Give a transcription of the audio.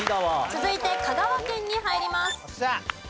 続いて香川県に入ります。